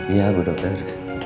iya bu dokter